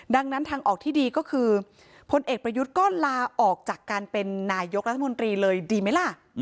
ดังนั้นทางออกที่ดีก็คือพลเอกประยุทธ์ก็ลาออกจากการเป็นนายกรัฐมนตรีเลยดีไหมล่ะ